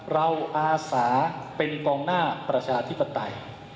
อาสาเป็นกองหน้าประชาธิปไตย